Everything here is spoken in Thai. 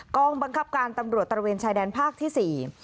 กองบังคับการตำรวจตระเวนชายแดนภาคที่๔